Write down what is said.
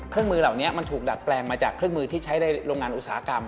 เครื่องมือเหล่านี้มันถูกดัดแปลงมาจากเครื่องมือที่ใช้ในโรงงานอุตสาหกรรม